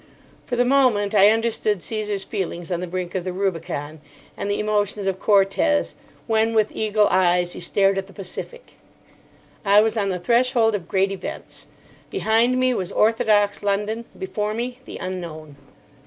For the moment I understood Caesar's feelings on the brink of the Rubicon, and the emotions of Cortes "when with eagle eyes he stared at the Pacific." I was on the threshold of great events. Behind me was orthodox London; before me the unknown.